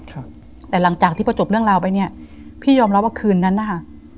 ครับแต่หลังจากที่พอจบเรื่องราวไปเนี้ยพี่ยอมรับว่าคืนนั้นนะคะ